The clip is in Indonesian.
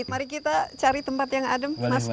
mari kita cari tempat yang adem mas novi